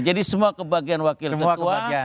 jadi semua kebagian wakil ketua